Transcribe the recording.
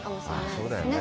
そうだよね。